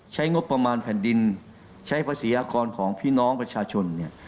ใช้งบประมาณแผ่นดินใช้ภาษีอากรของพี่น้องประชาชนเนี่ย